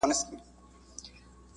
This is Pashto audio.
هندوانو او نورو مذهبي ډلو